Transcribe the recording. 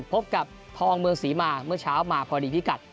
พบกับทองเมืองศรีมาเมื่อเช้ามาพอดีพิกัด